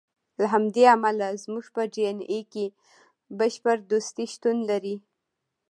له همدې امله زموږ په ډي اېن اې کې بشر دوستي شتون لري.